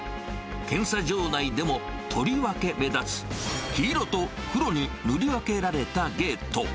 検査場内でもとりわけ目立つ、黄色と黒に塗り分けられたゲート。